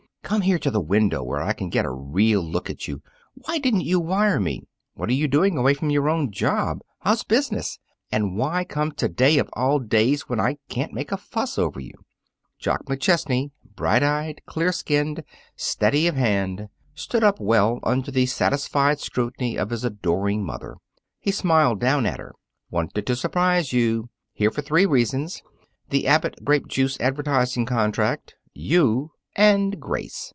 "Come here to the window where I can get a real look at you! Why didn't you wire me? What are you doing away from your own job? How's business? And why come to day, of all days, when I can't make a fuss over you?" Jock McChesney, bright eyed, clear skinned, steady of hand, stood up well under the satisfied scrutiny of his adoring mother. He smiled down at her. "Wanted to surprise you. Here for three reasons the Abbott Grape juice advertising contract, you, and Grace.